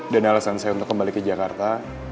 dan alasan saya untuk kembali ke jakarta